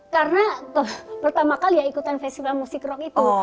karena pertama kali ikutan festival musik rock itu